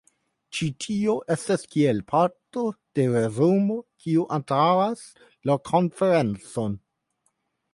Ĉi tio estas kiel parto de resumo kiu antaŭas la konferencon.